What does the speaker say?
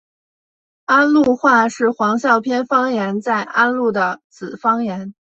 安陆话是黄孝片方言在安陆的子方言。